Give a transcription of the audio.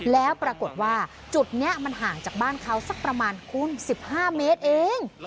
แล้วปรากฏว่าจุดนี้มันห่างจากบ้านเขาสักประมาณคูณ๑๕เมตรเอง